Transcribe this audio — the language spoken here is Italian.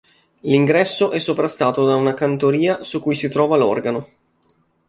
L'ingresso è sovrastato da una cantoria su cui si trova l'organo.